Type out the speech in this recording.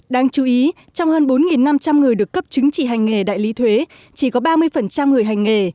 đáng chú ý trong hơn bốn năm trăm linh người được cấp chứng chỉ hành nghề đại lý thuế chỉ có ba mươi người hành nghề